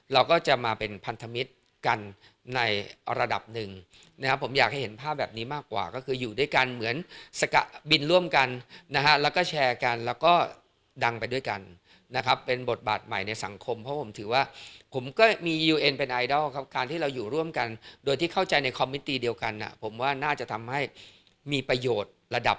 เราก็จะมาเป็นพันธมิตรกันในระดับหนึ่งนะครับผมอยากให้เห็นภาพแบบนี้มากกว่าก็คืออยู่ด้วยกันเหมือนสกะบินร่วมกันนะฮะแล้วก็แชร์กันแล้วก็ดังไปด้วยกันนะครับเป็นบทบาทใหม่ในสังคมเพราะผมถือว่าผมก็มียูเอ็นเป็นไอดอลครับการที่เราอยู่ร่วมกันโดยที่เข้าใจในคอมมินตีเดียวกันผมว่าน่าจะทำให้มีประโยชน์ระดับ